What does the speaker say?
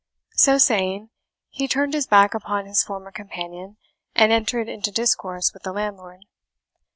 So saying, he turned his back upon his former companion, and entered into discourse with the landlord.